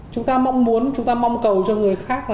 chúng ta mong muốn chúng ta mong cầu cho người khác